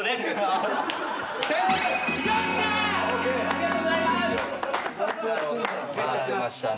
ありがとうございます！